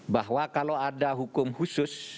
bahwa kalau ada hukum khusus